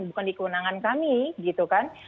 bukan di kewenangan kami gitu kan